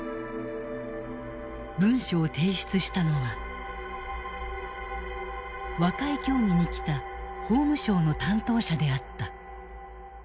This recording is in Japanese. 文書を提出したのは和解協議に来た法務省の担当者であった。